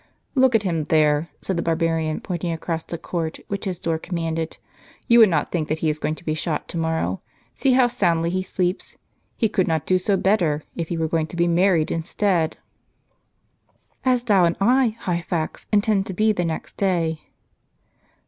" Look at him there," said the barbarian, pointing across the court, which his door commanded. " You would not think that he is going to be shot to morrow. See how soundly he sleeps. He could not do so better, if he were going to be married instead." "As thou and I, Hyphax, intend to be the next day."